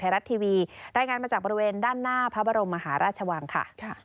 ราชวังค่ะค่ะ